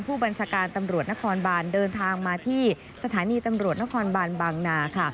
ผู้บัญชาการตำรวจนครบานเดินทางมาที่สถานีตำรวจนครบานบางนาค่ะ